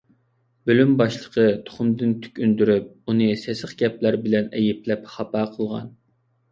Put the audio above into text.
بۆلۈم باشلىقى تۇخۇمدىن تۈك ئۈندۈرۈپ، ئۇنى سېسىق گەپلەر بىلەن ئەيىبلەپ خاپا قىلغان.